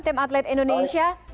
tim atlet indonesia